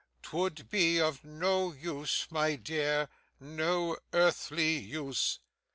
''Twould be of no use, my dear, no earthly use.